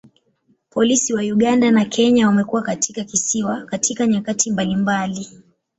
Polisi wa Uganda na Kenya wamekuwa katika kisiwa katika nyakati mbalimbali.